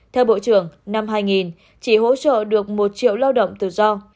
theo bộ trưởng năm hai nghìn chị hỗ trợ được một triệu lao động tự do